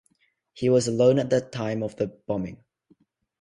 He was alone at that time of the bombing.